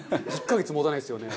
１カ月持たないですよね。